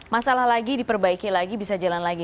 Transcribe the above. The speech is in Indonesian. masalah lagi diperbaiki lagi bisa jalan lagi